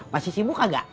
masih sibuk enggak